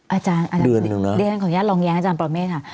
อาจารย์อาจารย์ของย่านรองแยงอาจารย์ประวเมฆค่ะ